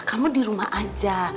kamu di rumah aja